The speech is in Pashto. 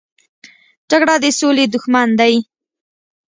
جګړه د سولې دښمن دی